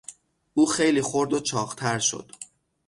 او خیلی خورد و چاقتر شد.